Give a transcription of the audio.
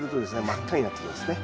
真っ赤になってきますね。